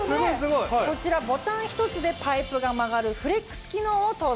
そちらボタンひとつでパイプが曲がるフレックス機能を搭載。